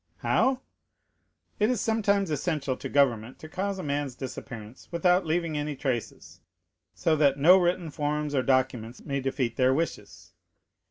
"How?" "It is sometimes essential to government to cause a man's disappearance without leaving any traces, so that no written forms or documents may defeat their wishes."